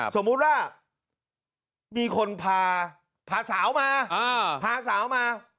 สมมุติว่ามีคนพาสาวมา